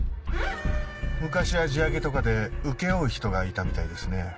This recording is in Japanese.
昔は地上げとかで請け負う人がいたみたいですね。